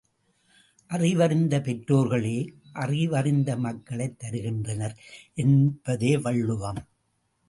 அறிவறிந்த பெற்றோர்களே அறிவறிந்த மக்களைத் தருகின்றனர் என்பதே வள்ளுவம்.